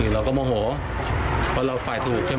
คือเราก็โมโหเพราะเราไฟล์ถูกใช่ไหม